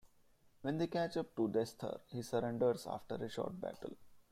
When they catch up to Desther, he surrenders after a short battle.